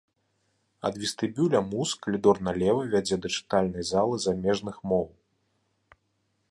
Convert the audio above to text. Ад вестыбюля муз калідор налева вядзе да чытальнай залы замежных моў.